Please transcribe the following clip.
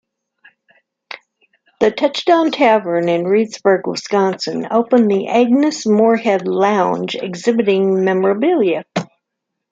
The Touchdown Tavern in Reedsburg, Wisconsin, opened the Agnes Moorehead Lounge, exhibiting memorabilia.